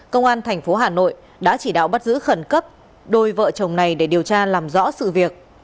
công an thành phố hà nội đã chỉ đạo bắt giữ khẩn cấp đôi vợ chồng này để điều tra làm rõ sự việc